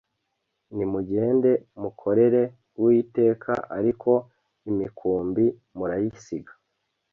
Nimugende mukorere Uwiteka ariko imikumbi murayisiga